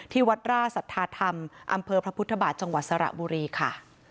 ที่วัดร่าสัทธาธรรมอำเภอพระพุทธบาทจังหวัดสระบุรีค่ะ